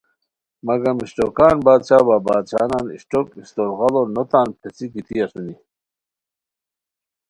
مگم اشٹوکان بادشاہ وا بادشاہان اشٹوک استور غاڑو نوتان پیڅھیگیتی اسونی